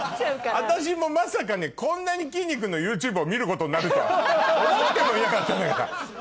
私もまさかこんなにきんに君のＹｏｕＴｕｂｅを見ることになるとは思ってもいなかったんだから。